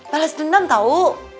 balas dendam tau